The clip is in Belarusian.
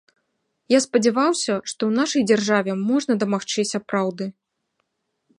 Я спадзяваўся, што ў нашай дзяржаве можна дамагчыся праўды.